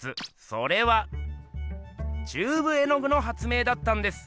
それはチューブ絵具の発明だったんです！